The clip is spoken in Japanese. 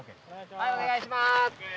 はいお願いします。